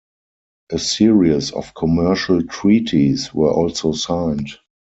A series of commercial treaties were also signed.